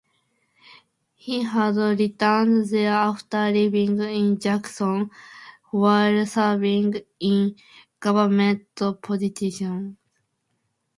He had returned there after living in Jackson while serving in government positions.